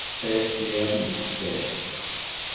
tedtsiyash nidpec